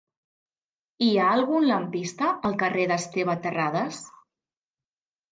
Hi ha algun lampista al carrer d'Esteve Terradas?